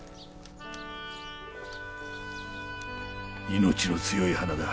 命の強い花だ。